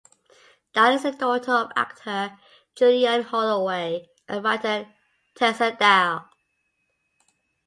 Dahl is the daughter of actor Julian Holloway and writer Tessa Dahl.